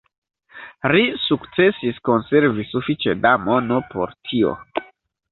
Ri sukcesis konservi sufiĉe da mono por tio.